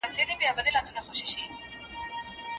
باران زما د کور له مخې څخه دوړې يوړې